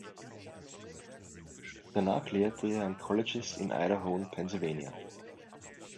Danach lehrte er an Colleges in Idaho und Pennsylvania.